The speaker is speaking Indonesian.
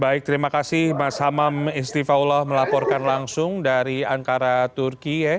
baik terima kasih mas hamam istivallah melaporkan langsung dari ankara turki